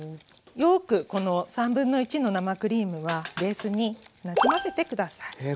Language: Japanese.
よくこの1/3の生クリームはベースになじませて下さい。